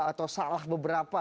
atau salah beberapa